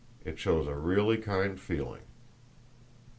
It shows a really kind feeling."